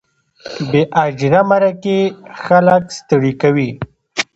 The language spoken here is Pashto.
بې اجره مرکې خلک ستړي کوي.